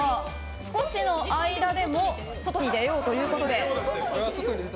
少しの間でも外に出ようということで。